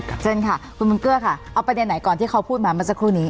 เชิญค่ะคุณบุญเกลือค่ะเอาประเด็นไหนก่อนที่เขาพูดมาเมื่อสักครู่นี้